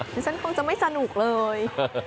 ดิฉันคงจะไม่สนุกเลย